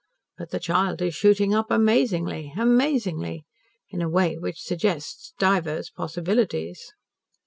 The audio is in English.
But the child is shooting up amazingly amazingly. In a way which suggests divers possibilities."